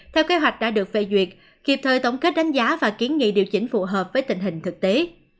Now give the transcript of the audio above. theo kế hoạch đã được phê duyệt kịp thời tổng kết đánh giá và kiến nghị điều chỉnh phù hợp với tình hình thực tế